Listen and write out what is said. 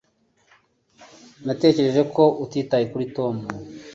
Natekereje ko utitaye kuri Tom